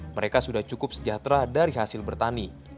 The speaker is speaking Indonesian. mereka sudah cukup sejahtera dari hasil bertani